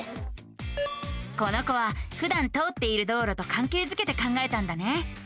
この子はふだん通っている道路とかんけいづけて考えたんだね。